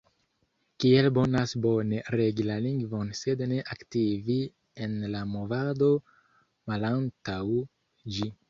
Kiel bonas bone regi la lingvon sed ne aktivi en la Movado malantaŭ ĝi?